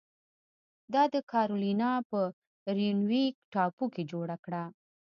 دا د کارولینا په ریونویک ټاپو کې جوړه کړه.